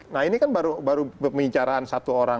nah ini kan baru pembicaraan satu orang